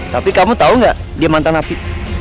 tapi kamu tau gak dia mantan api